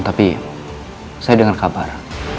tapi saya dengar kabar